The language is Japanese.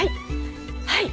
はい！